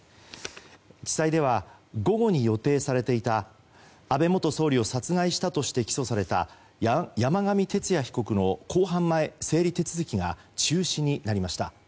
地裁では、午後に予定されていた安倍元総理を殺害したとして起訴された山上徹也被告の公判前整理手続きが中止になりました。